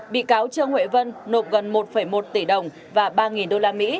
bị cáo trương huệ vân nộp gần một một tỷ đồng và ba usd